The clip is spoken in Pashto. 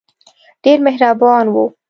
ډېر مهربان وو.